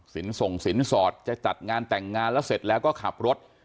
ส่งสินสอดจะจัดงานแต่งงานแล้วเสร็จแล้วก็ขับรถ